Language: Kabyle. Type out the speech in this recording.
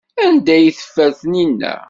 Anda ay teffer Taninna?